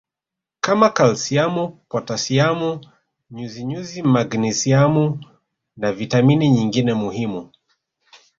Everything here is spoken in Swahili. kama kalsiamu potasiamu nyuzinyuzi magnesiamu na vitamini nyingine muhimu